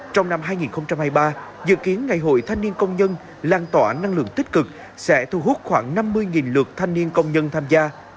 trong năm hai nghìn hai mươi ba dự kiến ngày hội thanh niên công nhân lan tỏa năng lượng tích cực sẽ thu hút khoảng năm mươi lượt thanh niên công nhân tham gia